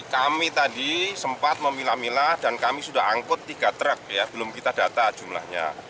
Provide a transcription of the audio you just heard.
kami tadi sempat memilah milah dan kami sudah angkut tiga truk belum kita data jumlahnya